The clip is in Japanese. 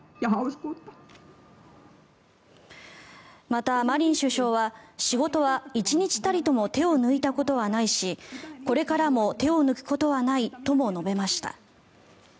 また、マリン首相は仕事は１日たりとも手を抜いたことはないしこれからも手を抜くことはないとも述べました。